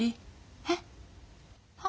えっ。